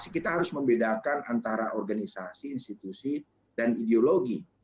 kita harus membedakan antara organisasi institusi dan ideologi